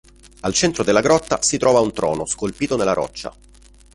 Al centro della grotta si trova un trono scolpito nella roccia.